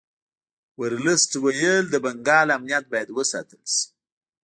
ورلسټ ویل د بنګال امنیت باید وساتل شي.